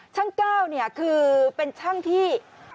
ช่างก้าวเนี่ยคือเป็นช่างที่